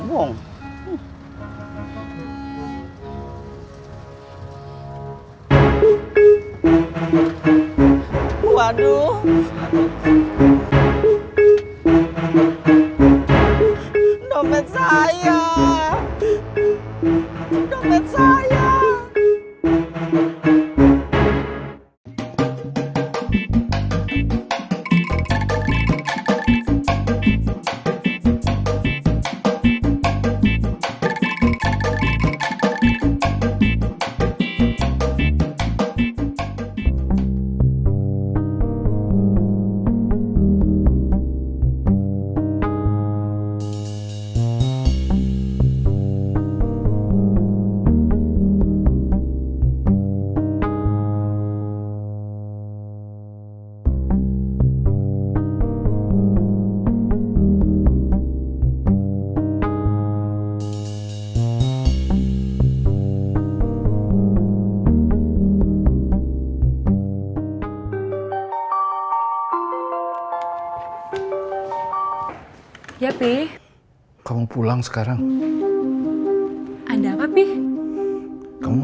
boleh kenalan gak